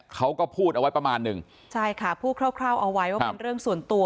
เขาก็พูดเอาไว้ประมาณหนึ่งใช่ค่ะพูดคร่าวคร่าวเอาไว้ว่าเป็นเรื่องส่วนตัว